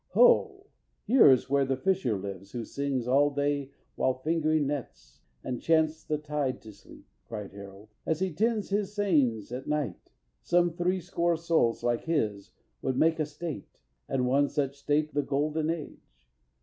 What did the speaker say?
"Ho! here is where the fisher lives who sings All day while fingering nets, and chants the tide To sleep," cried Harold, "as he tends his seines At night. Some three score souls like his would make A state, and one such state the golden age.